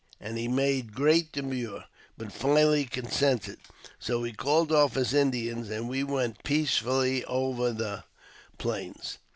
"And he made great demur, but finally consented. So he called off his Indians, and we went peacefully over the Plains."